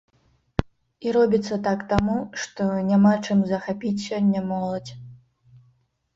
І робіцца так таму, што няма чым захапіць сёння моладзь.